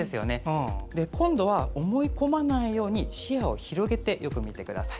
今度は思い込まないように視野を広げてよく見てください。